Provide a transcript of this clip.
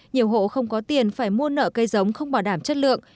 nhiều hộ không có tiền phải mua nợ cây giống không bảo đảm chất lượng